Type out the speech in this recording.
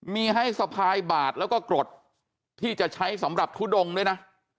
มีให้สะพายบาทแล้วก็กรดที่จะใช้สำหรับทุดงด้วยนะ